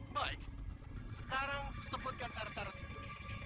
baik sekarang sebutkan syarat syaratnya